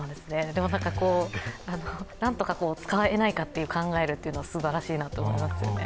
でも、なんとか使えないかと考えるというのはすばらしいなと思いますよね。